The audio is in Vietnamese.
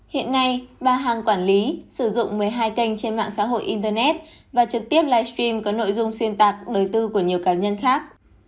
hiện nay bà hằng quản lý sử dụng một mươi hai kênh trên mạng xã hội internet và trực tiếp livestream có nội dung xuyên tạc đời tư của nhiều cá nhân khác